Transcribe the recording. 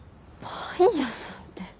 パン屋さんって。